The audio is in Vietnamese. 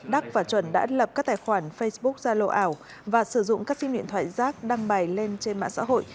đắc và chuẩn đã lập các tài khoản facebook ra lô ảo và sử dụng các sim điện thoại rác đăng bài lên trên mạng xã hội